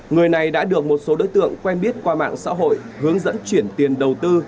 người này đã được một số đối tượng quen biết qua mạng xã hội hướng dẫn chuyển tiền đầu tư